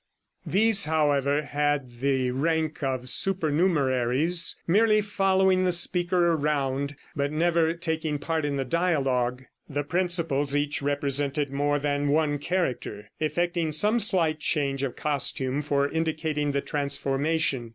These, however, had the rank of supernumeraries, merely following the speaker around, but never taking part in the dialogue. The principals each represented more than one character, effecting some slight change of costume for indicating the transformation.